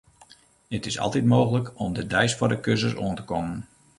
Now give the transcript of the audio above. It is altyd mooglik om de deis foar de kursus oan te kommen.